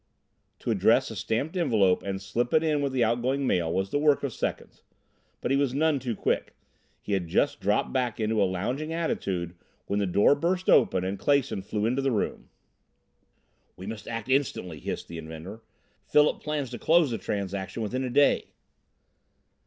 To address a stamped envelope and slip it in with the outgoing mail was the work of seconds. But he was none too quick. He had just dropped back into a lounging attitude when the door burst open and Clason flew into the room? "We must act instantly," hissed the inventor. "Philip plans to close the transaction within a day."